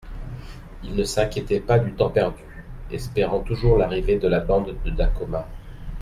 Ils ne s'inquiétaient pas du temps perdu, espérant toujours l'arrivée de la bande de Dacoma.